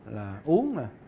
là uống này